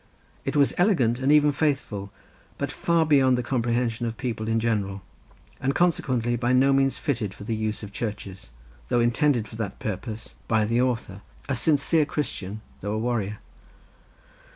It was elegant and even faithful, but far beyond the comprehension of people in general, and consequently by no means fitted for the use of churches, though intended for that purpose by the author, a sincere Christian, though a warrior.